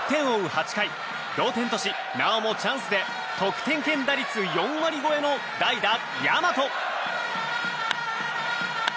８回同点とし、なおもチャンスで得点圏打率４割超えの代打・大和。